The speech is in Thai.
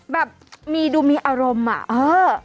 แบบมีดูมีอารมณ์อ่ะเออ